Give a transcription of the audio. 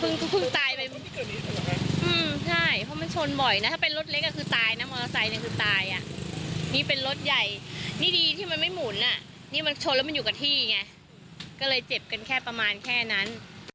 ก็เพิ่งตายไปอืมใช่เพราะมันชนบ่อยนะถ้าเป็นรถเล็กก็คือตายนะมอเตอร์ไซค์เนี่ยคือตายอ่ะนี่เป็นรถใหญ่นี่ดีที่มันไม่หมุนอ่ะนี่มันชนแล้วมันอยู่กับที่ไงก็เลยเจ็บกันแค่ประมาณแค่นั้น